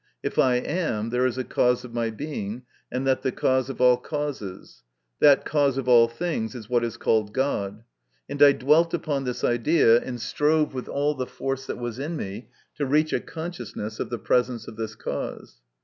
If I am, there is a cause of my being, and that the cause of all causes. That cause of all things is what is called God ; and I dwelt upon this idea, and strove with all the force that was in me to reach a consciousness of the presence of this cause.